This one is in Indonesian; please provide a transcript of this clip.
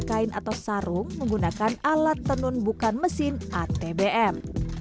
kain atau sarung menggunakan alat tenun bukan mesin atbm